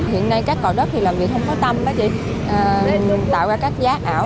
hiện nay các cỏ đất làm việc không có tâm tạo ra các giá ảo